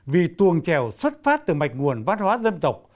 vì tuồng trèo xuất phát từ mạch nguồn văn hóa dân tộc